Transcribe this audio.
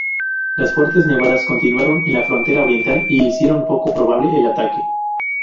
Las fuertes nevadas continuaron en la frontera oriental y hicieron poco probable el ataque.